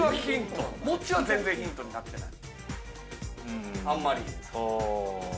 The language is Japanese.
餅は全然ヒントになってない。